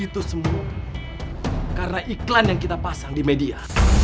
itu semua karena iklan yang kita pasang di media